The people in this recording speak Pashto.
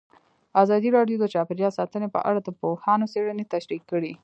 ازادي راډیو د چاپیریال ساتنه په اړه د پوهانو څېړنې تشریح کړې.